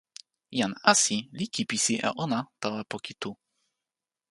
jan Asi li kipisi e ona tawa poki tu.